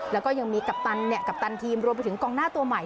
แล้วก็ยังมีกัปตันกัปตันทีมรวมไปถึงกองหน้าตัวใหม่